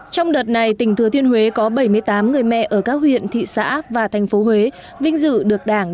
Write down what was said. trong đợt này tỉnh thừa thiên huế có bảy mươi tám người mẹ ở các huyện thị xã và thành phố huế vinh dự được đảng